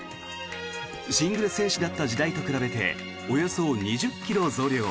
シングル選手だった時代と比べておよそ２０ｋｇ増量。